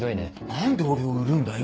何で俺を売るんだよ。